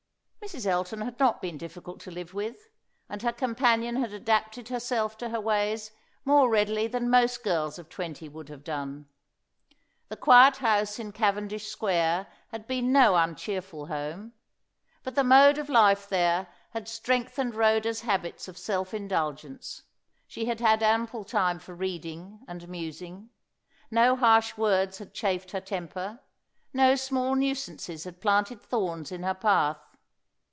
Mrs. Elton had not been difficult to live with; and her companion had adapted herself to her ways more readily than most girls of twenty would have done. The quiet house in Cavendish Square had been no uncheerful home. But the mode of life there had strengthened Rhoda's habits of self indulgence. She had had ample time for reading and musing. No harsh words had chafed her temper, no small nuisances had planted thorns in her path.